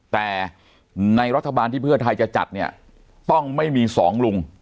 แต่ในรัฐบาลที่เพื่อไทยจะจัดเนี่ยต้องไม่มีสองลุง